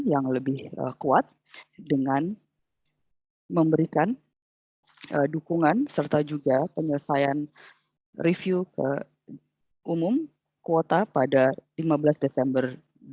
yang lebih kuat dengan memberikan dukungan serta juga penyelesaian review ke umum kuota pada lima belas desember dua ribu dua puluh